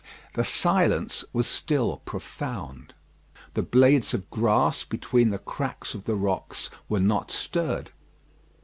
The silence was still profound. The blades of grass between the cracks of the rocks were not stirred.